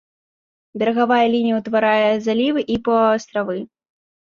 Берагавая лінія утварае залівы і паўастравы.